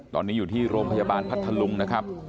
ตอนนี้อยู่ที่โรงพยาบาลพัทธลุงนะครับ